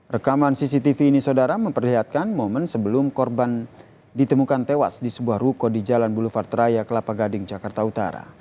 rekaman cctv ini saudara memperlihatkan momen sebelum korban ditemukan tewas di sebuah ruko di jalan bulu fart raya kelapa gading jakarta utara